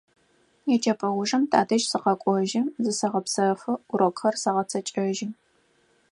ЕджэпӀэ ужым тадэжь сыкъэкӀожьы, зысэгъэпсэфы, урокхэр сэгъэцэкӀэжьы.